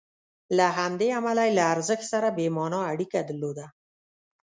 له همدې امله یې له ارزښت سره بې معنا اړیکه درلوده.